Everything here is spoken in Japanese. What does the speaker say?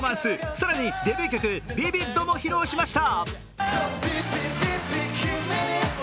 更にデビュー曲「Ｖｉｖｉｄ」も披露しました。